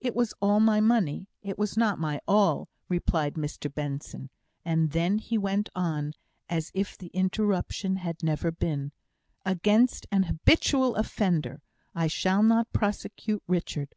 "It was all my money; it was not my all," replied Mr Benson; and then he went on as if the interruption had never been: "Against an habitual offender. I shall not prosecute Richard.